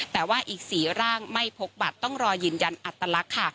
แต่ว่าอีก๔ร่างไม่พบบัตรต้องรอยืนยันอัตลักษณ์ค่ะ